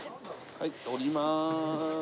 はい降ります。